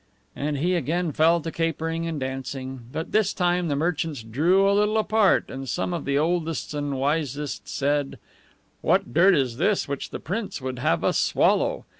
And he again fell to capering and dancing. But this time the merchants drew a little apart, and some of the oldest and wisest said: "What dirt is this which the prince would have us swallow?